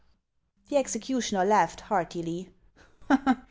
" The executioner laughed heartily.